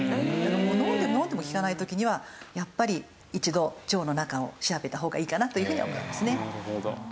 飲んでも飲んでも効かない時にはやっぱり一度腸の中を調べた方がいいかなというふうに思いますね。